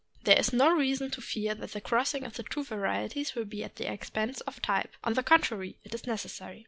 There is no reason to fear that the crossing of the two varieties will be at the expense of type; on the contrary, it is necessary.